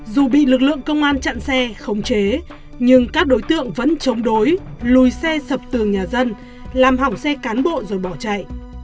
dù bị lực lượng công an chặn xe khống chế nhưng các đối tượng vẫn chống đối lùi xe sập tường nhà dân làm hỏng xe cán bộ rồi bỏ chạy